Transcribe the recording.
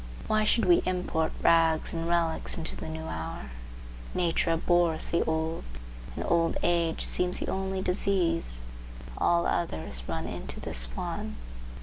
Why should we import rags and relics into the new hour? Nature abhors the old, and old age seems the only disease; all others run into this one.